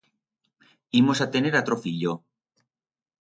Imos a tener atro fillo.